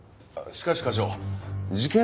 しかし課長事件